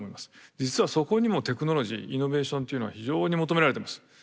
実はそこにもテクノロジーイノベーションというのは非常に求められてます。